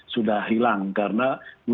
sudah hilang karena